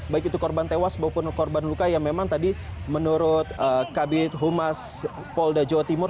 baik itu korban tewas maupun korban luka yang memang tadi menurut kabit humas polda jawa timur